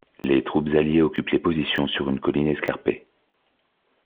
Les troupes alliées occupent les positions sur une colline escarpée.